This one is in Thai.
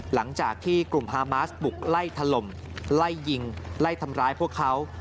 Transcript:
หลังจากที่กลุ่มฮามาสบุกไล่ถล่มไล่ยิงไล่ทำร้ายพวกเขา